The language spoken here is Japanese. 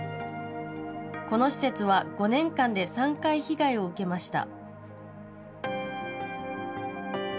この施設は５年間で３回被害を受けました。